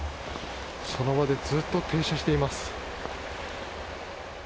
その場でずっと停車しています。